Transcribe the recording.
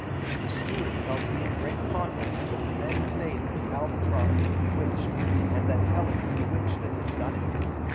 The steward tells me in great confidence that the men say that the Albatross is bewitched, and that Helen is the witch that has done it.